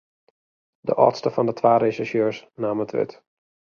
De âldste fan de twa resjersjeurs naam it wurd.